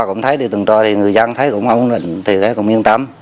cũng thấy đi từng trò thì người dân thấy cũng ổn định thì thấy cũng yên tâm